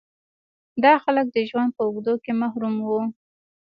دا خلک د ژوند په اوږدو کې محروم وو.